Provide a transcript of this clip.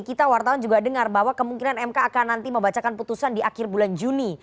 kita wartawan juga dengar bahwa kemungkinan mk akan nanti membacakan putusan di akhir bulan juni